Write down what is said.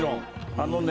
あのね